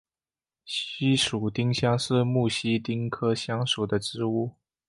西蜀丁香是木犀科丁香属的植物。